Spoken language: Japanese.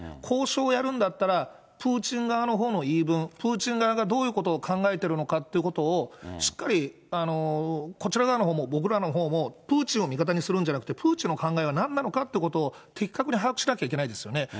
交渉やるんだったら、プーチン側のほうの言い分、プーチン側がどういうことを考えてるのかっていうことを、しっかりこちら側のほうも、僕らのほうもプーチンを味方にするんじゃなくて、プーチンの考えはなんなのかっていうことを、的確に把握しなきゃいけないですよね。